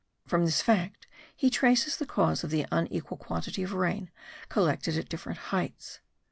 From this fact he traces the cause of the unequal quantity of rain collected at different heights.